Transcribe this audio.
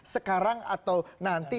sekarang atau nanti